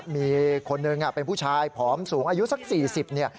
มีคนหนึ่งเป็นผู้ชายผอมสูงอายุสัก๔๐เนี่ย